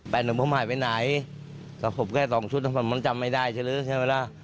แปดหนึ่งผมหายไปไหนสะพบแค่๒ชุดมันจำไม่ได้จริงใช่ไหมล่ะ